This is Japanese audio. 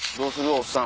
おっさん